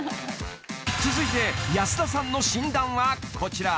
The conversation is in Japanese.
［続いて安田さんの診断はこちら］